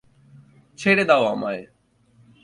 ছেড়ে দাও আমায়।